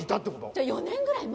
じゃあ４年ぐらい前？